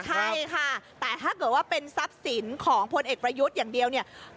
ใช่ค่ะแต่ถ้าเกิดว่าเป็นทรัพย์สินของพลเอกประยุทธ์อย่างเดียวเนี่ย